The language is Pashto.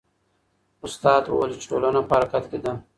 استاد وویل چې ټولنه په حرکت کې ده.